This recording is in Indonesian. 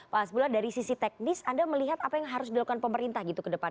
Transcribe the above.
pak hasbullah dari sisi teknis anda melihat apa yang harus dilakukan pemerintah gitu ke depan